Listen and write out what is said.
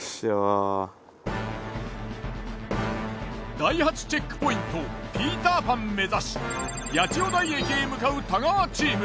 第８チェックポイントピーターパン目指し八千代台駅へ向かう太川チーム。